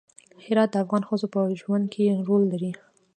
هرات د افغان ښځو په ژوند کې رول لري.